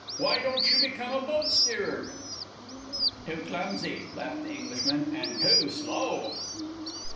Why don't you become a boat steerer?" "Too clumsy," laughed the Englishman, "and too slow."